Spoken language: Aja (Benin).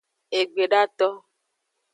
Egbedato.